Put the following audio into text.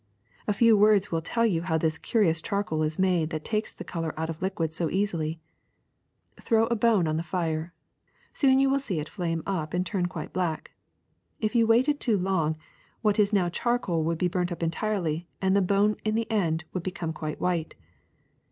A few words will tell you how this curious charcoal is made that takes the color out of liquids so easily. Throw a bone on the fire : soon you will see it flame up and turn quite black. If you waited too long, what is now charcoal would be burnt up entirely and the bone would in the end become quite white.